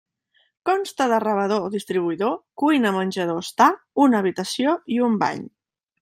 Consta de rebedor-distribuïdor, cuina-menjador-estar, una habitació i un bany.